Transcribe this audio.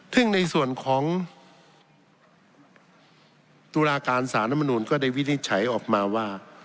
ซึ่งในส่วนของตุลาการสารรัฐมนุนก็ได้วินิจฉัยออกมาว่า